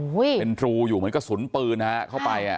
เป็นรูอยู่เหมือนกระสุนปืนฮะเข้าไปอ่ะ